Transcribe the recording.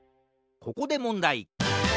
ここでもんだい！